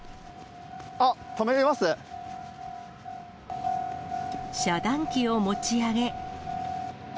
あっ、遮断機を持ち上げ。